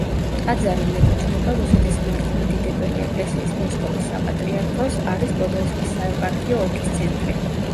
ტაძარი მეკუთვნება რუსეთის მართლმადიდებელი ეკლესიის მოსკოვის საპატრიარქოს, არის პოდოლსკის საეპარქიო ოლქის ცენტრი.